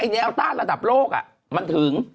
แนวต้านระดับโลกมันถึง